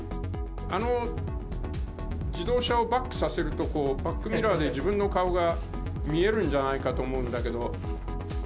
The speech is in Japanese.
あの自動車をバックさせると、バックミラーで自分の顔が見えるんじゃないかと思うんだけど。